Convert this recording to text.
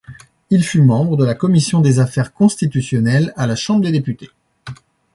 Il fut membre de la commission des affaires constitutionnelles, à la Chambre des députés.